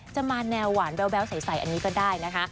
จะมาแนวหวานแววใสอันนี้ก็ได้นะคะ